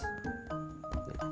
dia juga udah saya hukum